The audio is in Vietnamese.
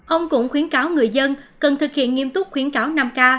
ông cũng khuyến cáo người dân cần thực hiện nghiêm túc khuyến cáo năm k